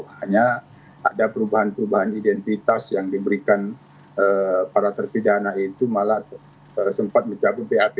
hanya ada perubahan perubahan identitas yang diberikan para terpidana itu malah sempat mencabut bap